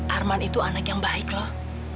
arman itu anak yang baik loh